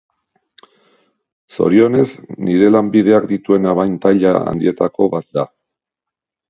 Zorionez nire lanbideak dituen abantaila handietako bat da.